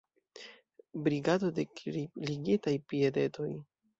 Brigado de kripligitaj piedetoj.